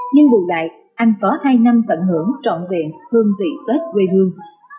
nhưng bù đại anh có hai năm tận hưởng trọn vẹn thương vị tết quê hương